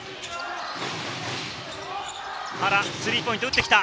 原、スリーポイント打ってきた！